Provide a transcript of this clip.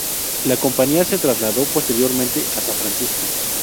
La compañía se trasladó posteriormente a San Francisco.